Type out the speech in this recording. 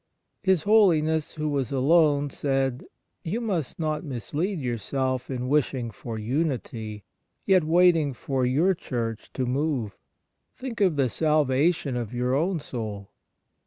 His Holiness, who was alone, said :' You must not mislead yourself in wishing for unity, yet waiting for your Church to move. 6 Memoir of Father Faber Think of the salvation of your own soul.'